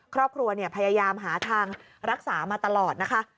ครอบครัวพยายามหาทางรักษามาตลอดนะคะ